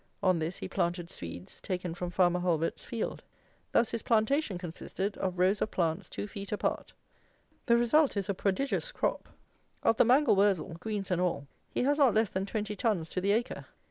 On this he planted Swedes, taken from farmer Hulbert's field. Thus his plantation consisted of rows of plants two feet apart. The result is a prodigious crop. Of the mangel wurzel (greens and all) he has not less than twenty tons to the acre.